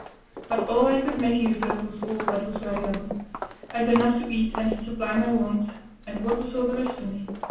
But all I could make use of was all that was valuable: I had enough to eat and supply my wants, and what was all the rest to me?